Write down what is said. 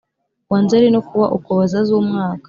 Wa nzeli no ku wa ukuboza z umwaka